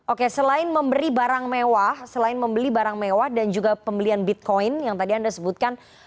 oke selain memberi barang mewah selain membeli barang mewah dan juga pembelian bitcoin yang tadi anda sebutkan